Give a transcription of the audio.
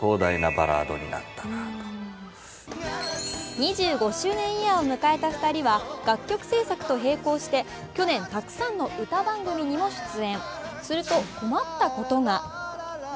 ２５周年イヤーを迎えた２人は楽曲制作と並行して去年、たくさんの歌番組にも出演。